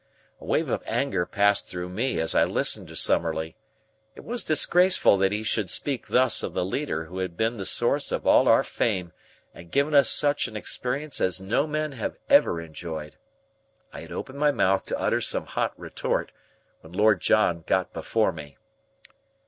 A wave of anger passed through me as I listened to Summerlee. It was disgraceful that he should speak thus of the leader who had been the source of all our fame and given us such an experience as no men have ever enjoyed. I had opened my mouth to utter some hot retort, when Lord John got before me.